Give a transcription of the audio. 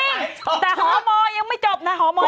แต่หอมอยังไม่จบนะหอมอ